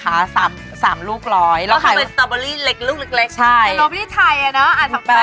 ก็เป็นสตาร์เวอรี่เล็กลูกเล็กไหมใช่เป็นรสแบบไทยอย่างน้อยเนอะ